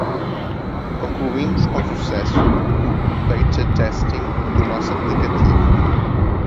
Concluímos com sucesso o beta testing de nosso aplicativo.